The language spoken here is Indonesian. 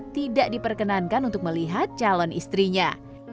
tidak diperkenankan untuk melihat calon istrinya